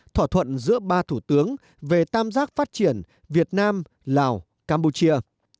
thỏa thuận giữa ba thủ tướng về tam giác phát triển việt nam lào campuchia